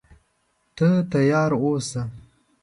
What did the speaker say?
ته تیار اوسه.